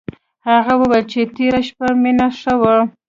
هغې وویل چې تېره شپه مينه ښه وه